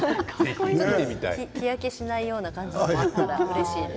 日焼けしないような感じでうれしいです。